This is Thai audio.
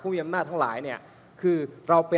คุณเขตรัฐพยายามจะบอกว่าโอ้เลิกพูดเถอะประชาธิปไตย